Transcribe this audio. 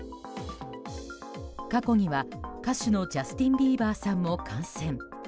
過去には、歌手のジャスティン・ビーバーさんも感染。